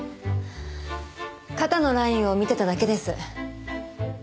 肩のラインを見てただけです。